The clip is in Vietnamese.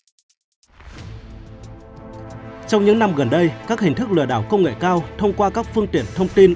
trong những năm gần đây các hình thức lừa đảo công nghệ cao thông qua các phương tiện thông tin